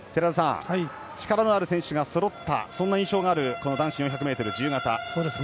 力のある選手がそろった印象のある男子４００ｍ自由形。